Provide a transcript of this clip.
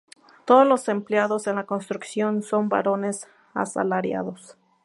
Todos los empleados en la construcción son varones asalariados.